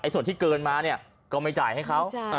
ส่วนที่เกินมาเนี่ยก็ไม่จ่ายให้เขา